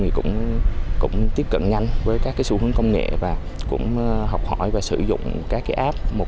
thì cũng tiếp cận nhanh với các cái xu hướng công nghệ và cũng học hỏi và sử dụng các cái app một